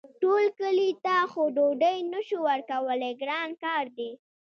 ټول کلي ته خو ډوډۍ نه شو ورکولی ګران کار دی.